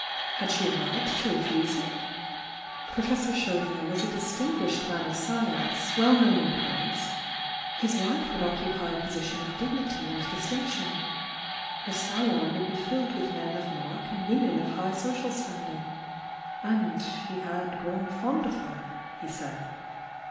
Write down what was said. Had she a right to refuse it? Professor Chauvet was_ a distinguished man of science, well known in Paris; his wife would occupy a position of dignity and distinction. Her salon would be filled with men of mark and women of high social standing. And he "had grown fond of her" he said.